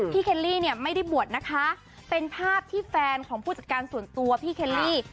เคลลี่เนี่ยไม่ได้บวชนะคะเป็นภาพที่แฟนของผู้จัดการส่วนตัวพี่เคลลี่